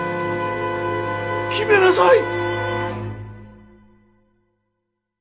決めなさい。